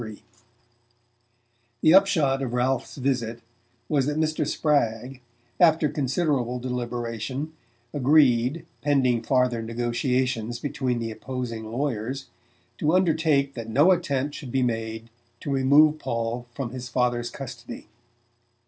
XXXIII The upshot of Ralph's visit was that Mr. Spragg, after considerable deliberation, agreed, pending farther negotiations between the opposing lawyers, to undertake that no attempt should be made to remove Paul from his father's custody.